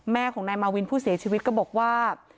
แม่ของนายมาวินผู้เสียชีวิตก็บอกว่า